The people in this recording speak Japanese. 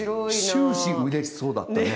終始うれしそうだったね。